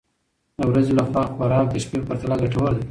د ورځې لخوا خوراک د شپې په پرتله ګټور دی.